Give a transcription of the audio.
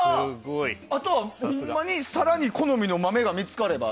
あとはほんまに更に好みの豆が見つかれば